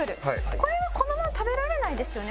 これはこのまま食べられないですよね？